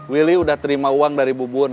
willy udah terima uang dari bubun